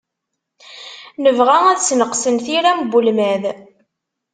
Nebɣa ad sneqsen tiram n ulmad.